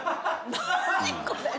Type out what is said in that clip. ・何これ？